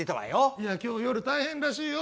いや今日夜大変らしいよ。